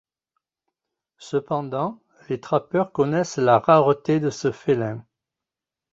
Cependant, les trappeurs connaissent la rareté de ce félin.